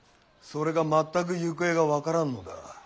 それが全く行方が分からんのだ。